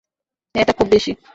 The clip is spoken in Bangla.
এটা খুব বেশী।